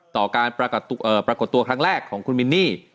ต่อการปรากฏตัวครั้งแรกของคุณมินนี่